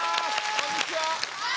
こんにちは！